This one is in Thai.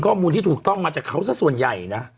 ข้อมูลที่ถูกต้องมาจากเขาสักส่วนใหญ่นะ